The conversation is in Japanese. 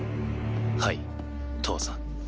はい父さん。